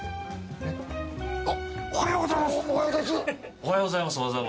おはようございます。